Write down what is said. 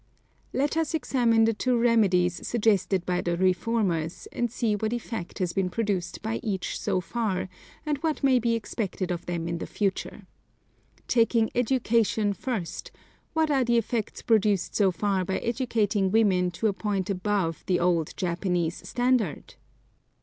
Let us examine the two remedies suggested by the reformers, and see what effect has been produced by each so far, and what may be expected of them in the future. Taking education first, what are the effects produced so far by educating women to a point above the old Japanese standard?